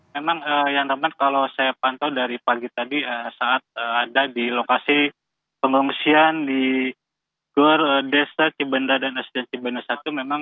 memang yang dapat kalau saya pantau dari pagi tadi saat ada di lokasi pengungsian di gor desa cibenda dan sd cibanda satu memang